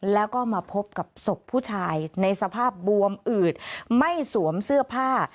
แล้วก็มาพบกับศพผู้ชายในสภาพบวมอืดไม่สวมเสื้อผ้า